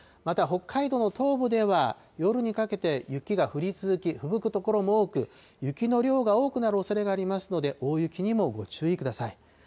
また北海道の東部では、夜にかけて雪が降り続き、ふぶく所も多く、雪の量が多くなるおそれがありますので、大雪にもご注意ください。